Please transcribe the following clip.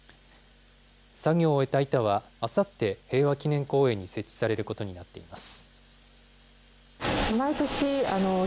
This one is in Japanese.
作業を終えた板はあさって、平和祈念公園に設置されることになっています。